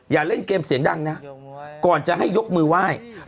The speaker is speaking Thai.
อย่าเล่นเกมเสียงดังนะก่อนจะให้ยกมือไหว้